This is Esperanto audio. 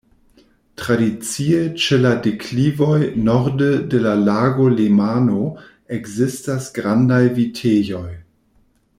Tradicie ĉe la deklivoj norde de la Lago Lemano ekzistas grandaj vitejoj.